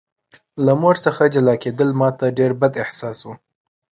له مور څخه جلا کېدل ماته ډېر بد احساس و